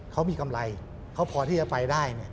เขามีกำไรเขาพอที่จะไปได้